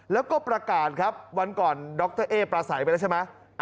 แล้วก็ประกาศครับวันก่อนดรเอ๊ปราศัยไปแล้วใช่ไหม